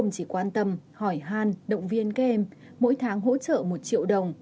để quan tâm hỏi hàn động viên kèm mỗi tháng hỗ trợ một triệu đồng